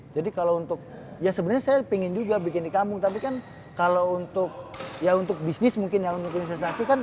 jadi kalau untuk ya sebenarnya saya pingin juga bikin di kampung tapi kan kalau untuk ya untuk bisnis mungkin ya untuk investasi kan